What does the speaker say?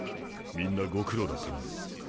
みんなご苦労だったな。